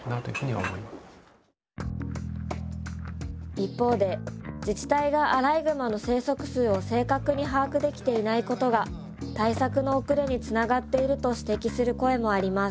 一方で自治体がアライグマの生息数を正確に把握できていないことが対策の遅れにつながっていると指摘する声もあります